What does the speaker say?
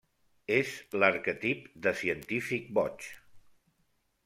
És l'arquetip de científic boig.